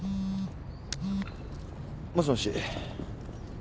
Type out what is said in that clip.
もしもし。